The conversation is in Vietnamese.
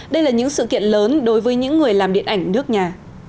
đây là những sự kiện lớn đối với những người làm điện ảnh nước nhà